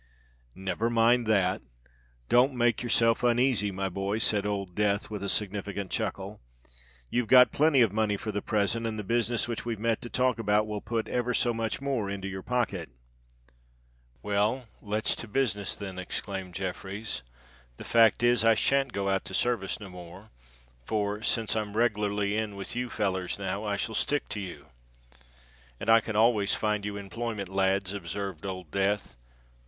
"Never mind that—don't make yourself uneasy, my boy," said Old Death, with a significant chuckle. "You've got plenty of money for the present: and the business which we've met to talk about, will put ever so much more into your pocket." "Well—let's to business, then," exclaimed Jeffreys. "The fact is, I shan't go out to service no more; for, since I'm reglarly in with you fellers now, I shall stick to you." "And I can always find you employment, lads," observed Old Death.